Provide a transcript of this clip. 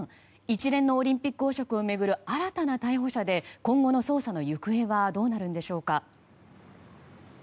一連のオリンピック汚職を巡る新たな逮捕者で今後の捜査の行方はどうなるんでしょうか。